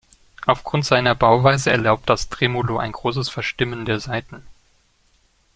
Aufgrund seiner Bauweise erlaubt das Tremolo ein großes Verstimmen der Saiten.